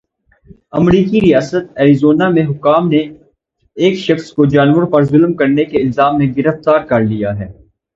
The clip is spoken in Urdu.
امریکی ریاست ایریزونا میں حکام نے ایک شخص کو جانوروں پر ظلم کرنے کے الزام میں گرفتار کرلیا ہے۔